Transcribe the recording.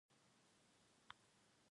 درود شریف باید پرې ووایو.